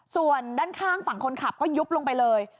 ส่วนด้านข้างฝั่งคนขับก็ยุบลงไปเลย